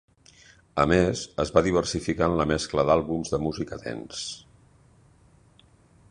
A més, es va diversificar en la mescla d'àlbums de música dance.